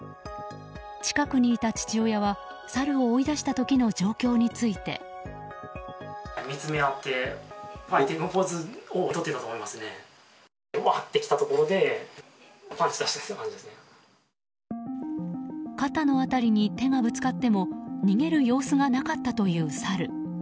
近くにいた父親はサルを追い出した時の状況について肩の辺りに手がぶつかっても逃げる様子がなかったというサル。